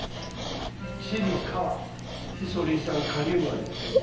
チリカはチッ素リン酸カリウムはですね